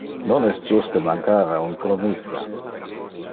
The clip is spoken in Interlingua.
Non es juste mancar a un promissa.